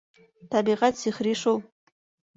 Тәбиғәт сихри шул.